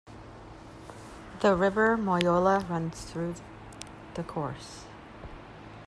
The River Moyola runs through the course.